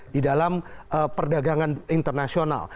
di dalam perdagangan internasional